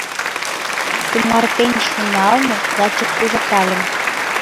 Тымартен шоналмым лачак ужатальым.